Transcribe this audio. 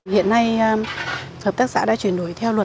hiện nay hợp tác xã đã chuyển đổi theo luật hai nghìn một mươi hai